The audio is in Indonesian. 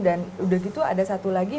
udah gitu ada satu lagi